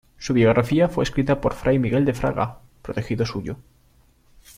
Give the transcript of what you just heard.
Su biografía fue escrita por fray Miguel de Fraga, protegido suyo.